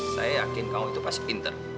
saya yakin kamu itu pasti pinter